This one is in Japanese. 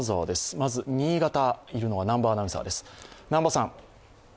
まず、新潟にいるのは南波アナウンサーです。